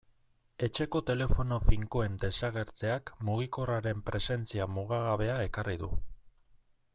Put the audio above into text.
Etxeko telefono finkoen desagertzeak mugikorraren presentzia mugagabea ekarri du.